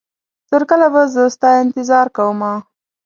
تر کله به زه ستا انتظار کومه